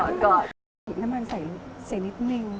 น้ำมันใส่นิดนึง